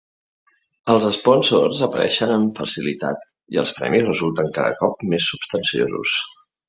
Els espònsors apareixen amb facilitat i els premis resulten cada cop més substanciosos.